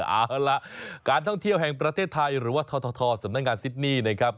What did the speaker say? เอาล่ะการท่องเที่ยวแห่งประเทศไทยหรือว่าททสำนักงานซิดนี่นะครับ